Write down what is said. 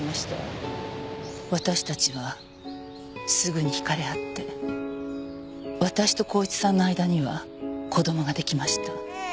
私たちはすぐに惹かれ合って私と孝一さんの間には子供が出来ました。